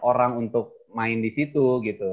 orang untuk main di situ gitu